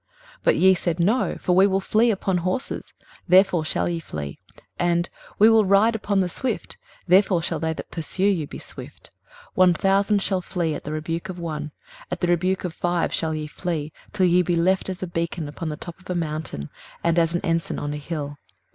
23:030:016 But ye said, No; for we will flee upon horses; therefore shall ye flee: and, We will ride upon the swift; therefore shall they that pursue you be swift. 23:030:017 One thousand shall flee at the rebuke of one; at the rebuke of five shall ye flee: till ye be left as a beacon upon the top of a mountain, and as an ensign on an hill.